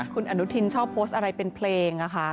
คุณอนุทินชอบโพสอะไรเป็นเพลงอ่ะค่ะ